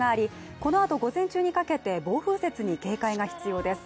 このあと午前中にかけて暴風雪に警戒が必要です。